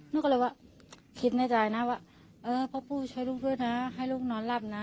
นุ๊กก็เลยว่าคิดในใจนะว่าเออพ่อปูชายลูกเพื่อนนะให้ลูกนอนหลับนะ